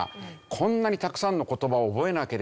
こんなにたくさんの言葉を覚えなければいけない。